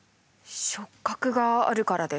触覚があるからです。